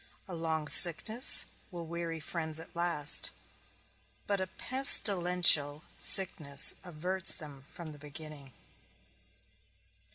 A long sickness will weary friends at last, but a pestilential sickness averts them from the beginning.